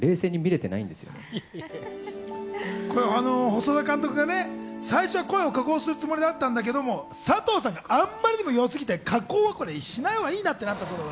細田監督が最初声を加工するつもりだったんだけど、佐藤さんがあまりにも良すぎて、加工しないほうがいいなってなったそうです。